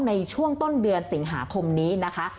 ในช่วงต้นเดือนสิงหาคมนี้นะคะ